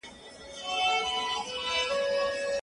بې پيوستون نظام ړنګېږي.